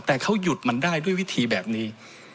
แต่เขาหยุดมันได้ด้วยวิธีแบบนี้